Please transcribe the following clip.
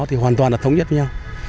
thì hoàn toàn là thống nhất với nhau